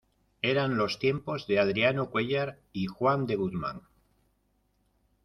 eran los tiempos de Adriano Cuéllar y Juan de Guzmán.